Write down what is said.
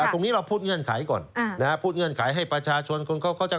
ตรงนี้เราพูดเงื่อนไขก่อนพูดเงื่อนไขให้ประชาชนคนเข้าใจ